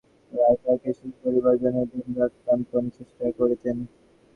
উদয়াদিত্যকে উন্মনা দেখিয়া বসন্ত রায় তাঁহাকে সুখী করিবার জন্য দিনরাত প্রাণপণে চেষ্টা করিতেন।